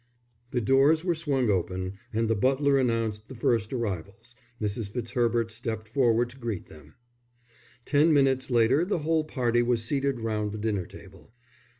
The doors were swung open and the butler announced the first arrivals, Mrs. Fitzherbert stepped forward to greet them. Ten minutes later the whole party was seated round the dinner table.